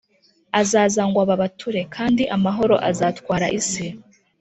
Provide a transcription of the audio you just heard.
azaza ngwababature! kandi amahoro azatwara isi;